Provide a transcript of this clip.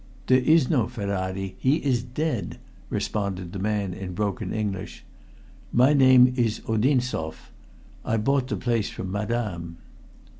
"There is no Ferrari, he is dead," responded the man in broken English. "My name is Odinzoff. I bought the place from madame."